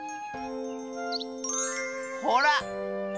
ほら！